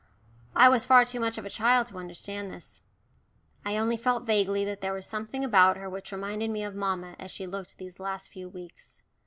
I was far too much of a child to understand this. I only felt vaguely that there was something about her which reminded me of mamma as she had looked these last few weeks.